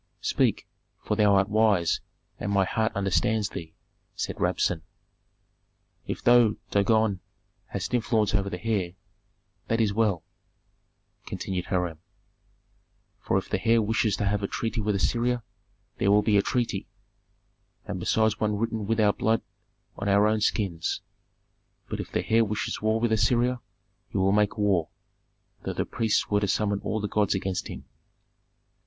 "Speak, for thou art wise and my heart understands thee," said Rabsun. "If thou, Dagon, hast influence over the heir, that is well," continued Hiram. "For if the heir wishes to have a treaty with Assyria there will be a treaty, and besides one written with our blood on our own skins. But if the heir wishes war with Assyria, he will make war, though the priests were to summon all the gods against him."